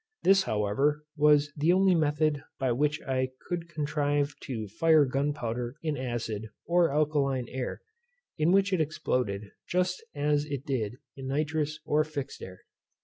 This, however, was the only method by which I could contrive to fire gunpowder in acid or alkaline air, in which it exploded just as it did in nitrous or fixed air.